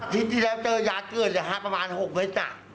ทีที่แล้วเจอยาเกลือดประมาณ๖เวตน่ะ